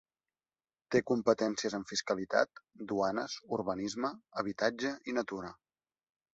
Té competències en fiscalitat, duanes, urbanisme, habitatge i natura.